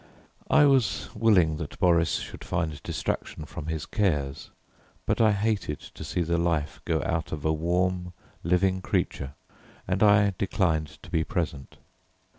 I was willing that Boris should find distraction from his cares, but I hated to see the life go out of a warm, living creature and I declined to be present.